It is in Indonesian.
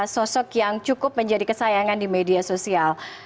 sosok yang cukup menjadi kesayangan di media sosial